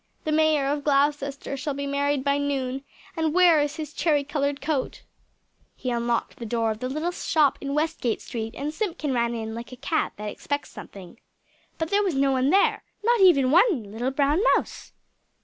The Mayor of Gloucester shall be married by noon and where is his cherry coloured coat?" He unlocked the door of the little shop in Westgate Street, and Simpkin ran in, like a cat that expects something. But there was no one there! Not even one little brown mouse!